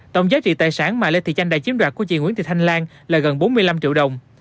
tổng giá trị tài sản mà lê thị chanh đã chiếm đoạt của chị nguyễn thị thanh lan là gần bốn mươi năm triệu đồng